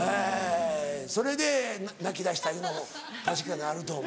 それで泣きだしたりも確かにあると思う。